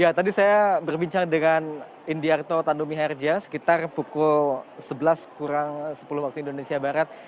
ya tadi saya berbincang dengan indiarto tandumi harja sekitar pukul sebelas kurang sepuluh waktu indonesia barat